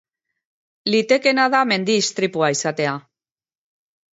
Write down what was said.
Litekeena da mendi-istripua izatea.